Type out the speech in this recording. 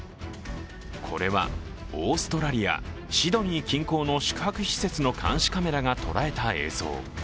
これはオーストラリア・シドニー近郊の宿泊施設の監視カメラが捉えた映像。